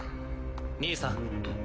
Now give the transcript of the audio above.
兄さん。